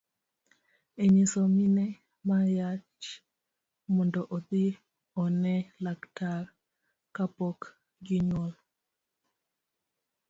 Inyiso mine ma yach mondo odhi one laktar kapok ginyuol